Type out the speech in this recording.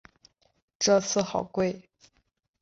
这次好贵